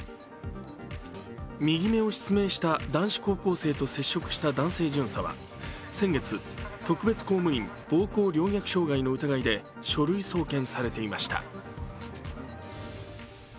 右目を失明した男子高校生と接触した男性巡査は特別公務員暴行陵虐傷害の疑いで書類送検されていました。